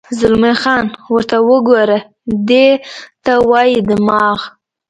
زلمی خان: ورته وګوره، دې ته وایي دماغ.